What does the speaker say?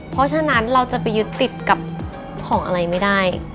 เพราะฉะนั้นเราจะไปยึดติดกับของอะไรไม่ได้